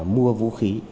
mua vũ khí